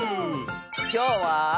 きょうは。